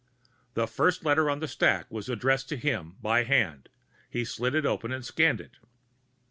The first letter on the stack was addressed to him by hand; he slit it open and scanned it.